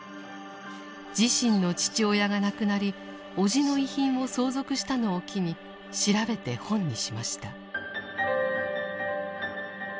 自身の父親が亡くなり叔父の遺品を相続したのを機に調べて本にしました。